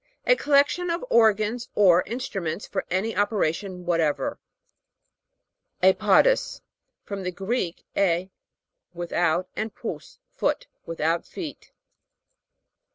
A collection of organs or instruments for any operation whatever. A'PODOUS. From the Greek, a> with out, and pous, foot. Without feet.